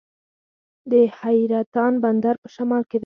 د حیرتان بندر په شمال کې دی